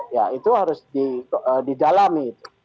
ya itu harus didalami